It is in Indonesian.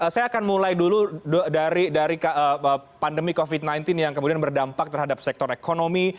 saya akan mulai dulu dari pandemi covid sembilan belas yang kemudian berdampak terhadap sektor ekonomi